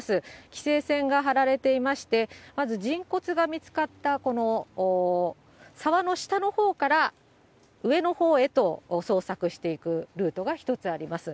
規制線が張られていまして、まず人骨が見つかったこの沢の下のほうから上のほうへと捜索していくルートが１つあります。